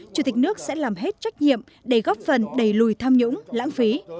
chủ tịch nước sẽ làm hết trách nhiệm để góp phần đẩy lùi tham nhũng lãng phí